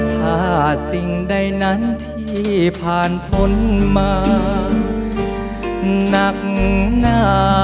ถ้าสิ่งใดนั้นที่ผ่านพ้นมาหนักหนา